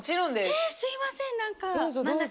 えっすいませんなんか。